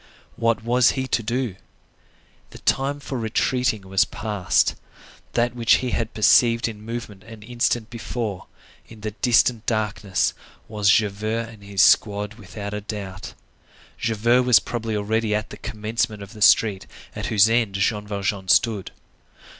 What was he to do? The time for retreating was passed. That which he had perceived in movement an instant before, in the distant darkness, was Javert and his squad without a doubt. Javert was probably already at the commencement of the street at whose end Jean Valjean stood.